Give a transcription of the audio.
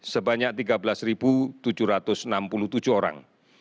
sebanyak tiga belas tujuh ratus enam puluh tujuh orang